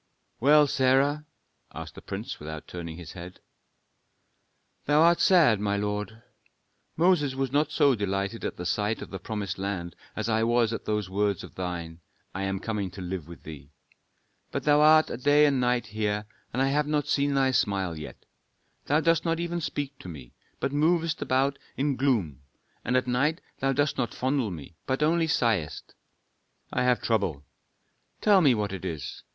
"Well, Sarah?" asked the prince, without turning his head. "Thou art sad, my lord. Moses was not so delighted at sight of the promised land as I was at those words of thine: 'I am coming to live with thee.' But thou art a day and a night here, and I have not seen thy smile yet. Thou dost not even speak to me, but movest about in gloom, and at night thou dost not fondle me, but only sighest." "I have trouble." "Tell me what it is.